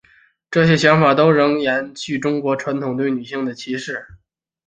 这些想法都仍延续中国传统对女性的歧视。